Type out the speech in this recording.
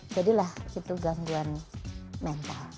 jadilah itu gangguan mental